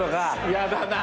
やだな。